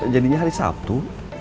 jadinya hari sabtu